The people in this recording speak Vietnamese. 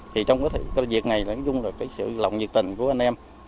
thì trong cái việc này là cái sự lòng nhiệt tình của anh em